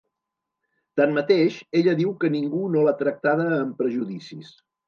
Tanmateix, ella diu que ningú no l’ha tractada amb prejudicis.